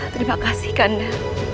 terima kasih kanda